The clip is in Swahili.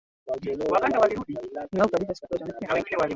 Ni wako kabisa, siku zote.